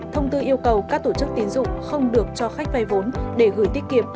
thông tư yêu cầu các tổ chức tín dụng không được cho khách vay vốn để gửi tiết kiệm